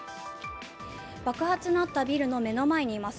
爆発のあったビルの目の前にいます。